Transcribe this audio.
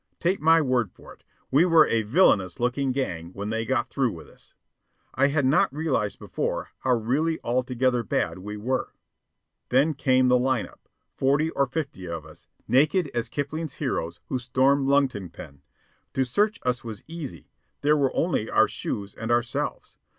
Take my word for it, we were a villainous looking gang when they got through with us. I had not realized before how really altogether bad we were. Then came the line up, forty or fifty of us, naked as Kipling's heroes who stormed Lungtungpen. To search us was easy. There were only our shoes and ourselves.